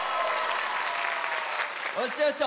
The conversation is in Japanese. よっしゃよっしゃ。